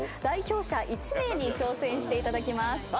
代表者１名に挑戦していただきます。